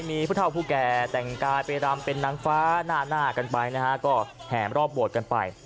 มีผู้เท่าผู้แก่แต่งกายไปรำเป็นนางฟ้าหน้ากันไปนะฮะก็แห่รอบโบสถ์กันไป